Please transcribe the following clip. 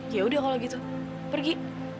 ya udah kalau gitu pergi